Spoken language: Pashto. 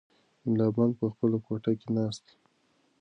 ملا بانګ په خپله کوټه کې ناست دی.